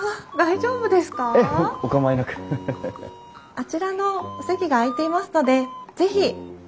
あちらのお席が空いていますので是非。